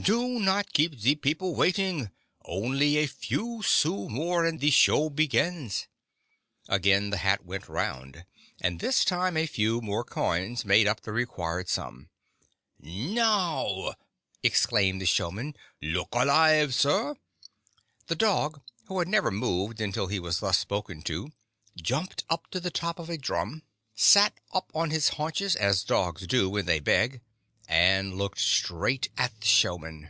Do not keep the people waiting ! Only a few sous more, and the show begins !" Again the hat went round, and this time a few more coins made up the required sum. " Now," exclaimed the showman, " look alive, sir!" The dog, who had never moved until he was thus spoken to, jumped up to the top of a drum, 16 WITH THE FRENCH SHOWMAN sat up on his liaunches, as dogs do when they beg, and looked straight at the showman.